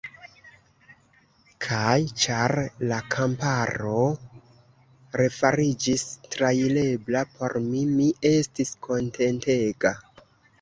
Kaj, ĉar la kamparo refariĝis trairebla por mi, mi estis kontentega.